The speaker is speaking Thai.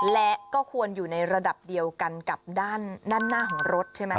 และก็ควรอยู่ในระดับเดียวกันกับด้านหน้าของรถใช่ไหม